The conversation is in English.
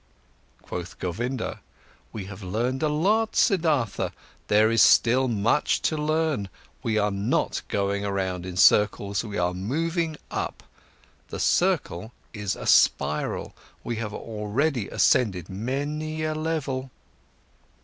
Quoth Govinda: "We have learned a lot, Siddhartha, there is still much to learn. We are not going around in circles, we are moving up, the circle is a spiral, we have already ascended many a level."